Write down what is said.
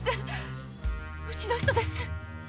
うちの人です。